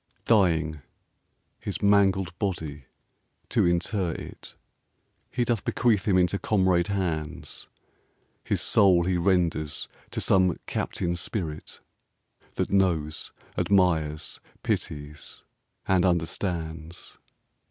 Dying, his mangled body, to inter it, He doth bequeath him into comrade hands; His soul he renders to some Captain Spirit That knows, admires, pities, and understands!